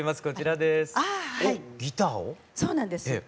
こちらです。